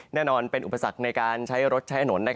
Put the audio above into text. แน่นอนเป็นอุปกฏศักดิ์ในการใช้รถใช้ถนน